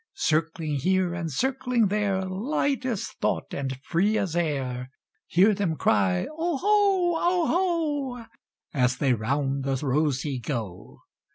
Circling here and circling there, Light as thought and free as air, Hear them cry, "Oho, oho,"As they round the rosey go.